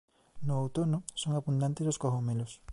No outono son abundantes os cogomelos.